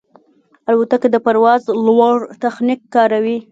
الوتکه د پرواز لوړ تخنیک کاروي.